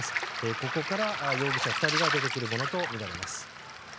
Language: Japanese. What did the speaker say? ここから容疑者２人が出てくるものとみられます。